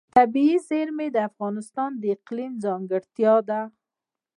طبیعي زیرمې د افغانستان د اقلیم ځانګړتیا ده.